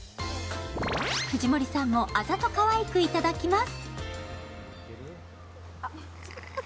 藤森さんもあざとかわいくいただきます。